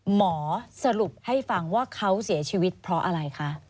หมอสรุปให้ฟังว่าเขาเสียชีวิตเพราะอะไรคะ